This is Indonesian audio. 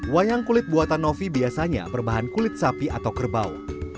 wayang kulit buatan novi biasanya berbahan kulit sapi atau kerbau